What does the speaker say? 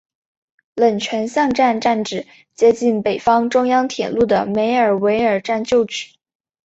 冷泉巷站站址接近北方中央铁路的梅尔维尔站旧址。